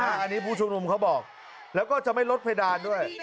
อันนี้ผู้ชุมนุมเขาบอกแล้วก็จะไม่ลดเพดานด้วย